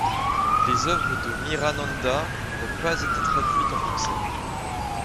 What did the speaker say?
Les œuvres de Meera Nanda n'ont pas été traduites en français.